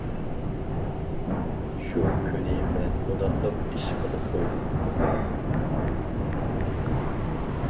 شۇ كۈنى مەن گۇناھلىق ئىش قىلىپ قويدۇم.